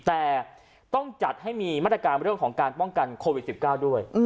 แต่ต้องจัดให้มีมาตรการเรื่องของการป้องกันโควิด๑๙ด้วย